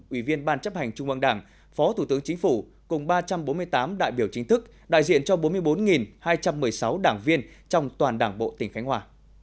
ủy viên ban chấp hành trung ương đảng phó thủ tướng chính phủ cùng ba trăm bốn mươi tám đại biểu chính thức đại diện cho bốn mươi bốn hai trăm một mươi sáu đảng viên trong toàn đảng bộ tỉnh khánh hòa